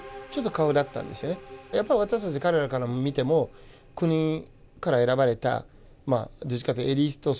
やっぱり私たち彼らから見ても国から選ばれたどっちかというとエリート層